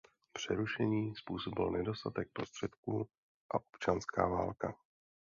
Přerušení způsobil nedostatek prostředků a občanská válka.